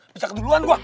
bisa keduluan gue